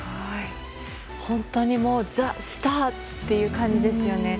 本当にザ・スターって感じですよね。